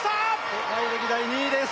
世界歴代２位です